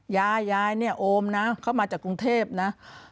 ยายโอมนะเขามาจากกรุงเทพฯนะ